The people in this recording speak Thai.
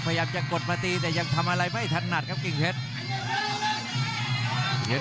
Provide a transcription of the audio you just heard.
พยายามจะกดมาตีแต่ยังทำอะไรไม่ถนัดครับกิ่งเพชร